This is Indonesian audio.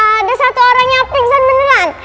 ada satu orang yang pingsan menelan